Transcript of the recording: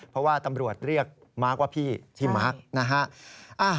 เพราะว่าตำรวจเรียกมาร์คว่าพี่ที่มาร์คนะฮะ